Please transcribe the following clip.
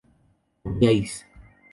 comíais